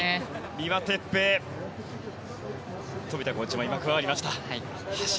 三輪哲平と冨田コーチも加わりました。